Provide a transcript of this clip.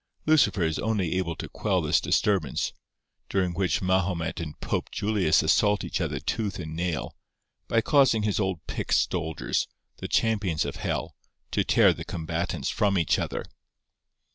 Lucifer is only able to quell this disturbance—during which Mahomet and Pope Julius assault each other tooth and nail—by causing his old picked soldiers, the champions of hell, to tear the combatants from each other.